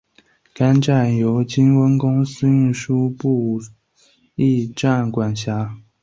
该站由金温公司运输部武义站管辖。